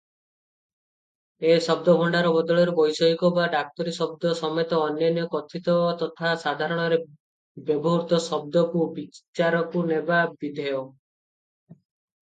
ଏ ଶବ୍ଦଭଣ୍ଡାର ବଦଳରେ ବୈଷୟିକ ବା ଡାକ୍ତରୀ ଶବ୍ଦ ସମେତ ଅନ୍ୟାନ୍ୟ କଥିତ ତଥା ସାଧାରଣରେ ବ୍ୟବହୃତ ଶବ୍ଦକୁ ବିଚାରକୁ ନେବା ବିଧେୟ ।